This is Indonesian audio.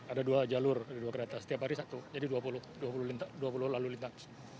ada dua jalur dua kereta setiap hari satu jadi dua puluh lalu lintas